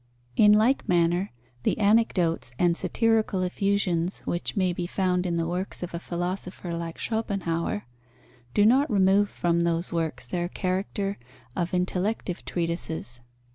In like manner the anecdotes and satirical effusions which may be found in the works of a philosopher like Schopenhauer, do not remove from those works their character of intellective treatises.